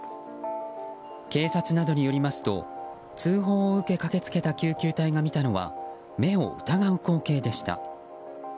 警察などによりますと通報を受け駆けつけた救急隊が見たのは目を疑う光景でした。